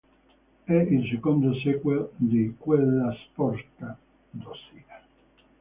È il secondo sequel di "Quella sporca dozzina".